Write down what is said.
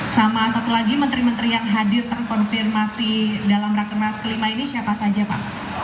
sama satu lagi menteri menteri yang hadir terkonfirmasi dalam rakernas kelima ini siapa saja pak